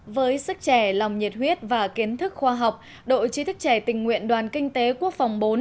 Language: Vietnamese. với sức trẻ lòng nhiệt huyết và kiến thức khoa học đội trí thức trẻ tình nguyện đoàn kinh tế quốc phòng bốn